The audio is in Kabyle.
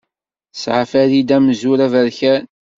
Tesɛa Farida amzur aberkan.